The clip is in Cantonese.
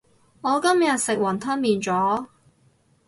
我今日食雲吞麵咗